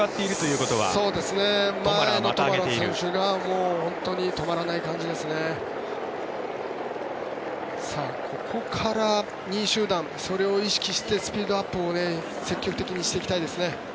ここから２位集団それを意識してスピードアップを積極的にしていきたいですね。